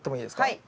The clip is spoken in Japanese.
はい。